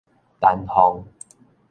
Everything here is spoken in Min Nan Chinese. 丹鳳